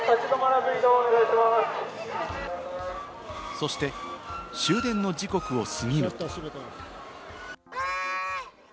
そして終電の時刻を過ぎると。